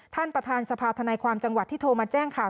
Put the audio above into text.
ท่านประธานสภาธนาความจังหวัดที่โทรมาแจ้งข่าว